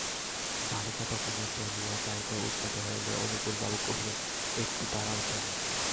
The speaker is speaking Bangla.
বালিকা তখনি চলিয়া যাইতে উদ্যত হইলে অনুকূলবাবু কহিলেন, একটু দাঁড়া চুনি।